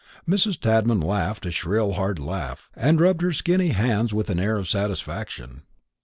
Mrs. Tadman laughed a shrill hard laugh, and rubbed her skinny hands with an air of satisfaction.